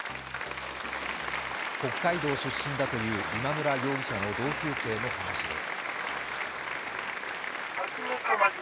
北海道出身だという今村容疑者の同級生の話です。